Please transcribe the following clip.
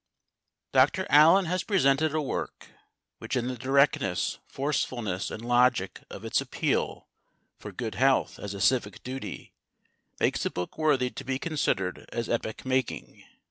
Dr. Allen has presented a work which in the directness, forcefulness and logic of its appeal for good health as a civic duty makes the book worthy to be considered as epoch making.